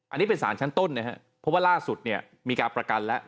อันนี้เป็นสารชั้นต้นนะครับเพราะว่าล่าสุดเนี่ยมีการประกันแล้ว